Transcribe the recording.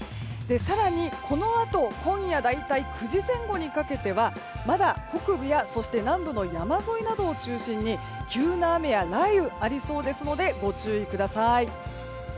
更にこのあと今夜、大体９時前後にかけてはまだ北部や南部の山沿いなどを中心に急な雨や雷雨がありそうですのでご注意ください。